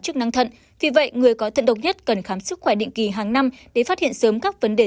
chức năng thận vì vậy người có thận độc nhất cần khám sức khỏe định kỳ hàng năm để phát hiện sớm các vấn đề